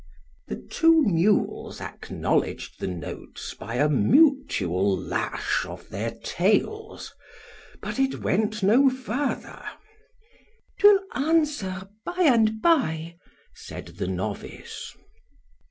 The two mules acknowledged the notes by a mutual lash of their tails; but it went no further——'Twill answer by an' by, said the novice.